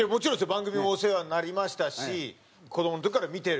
番組もお世話になりましたし子どもの時から見てる。